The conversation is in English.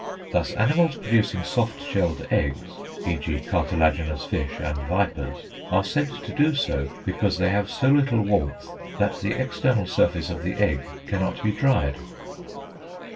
Thus animals producing soft shelled eggs (e.g. cartilaginous fish and vipers) are said to do so because they have so little warmth that the external surface of the egg cannot be dried.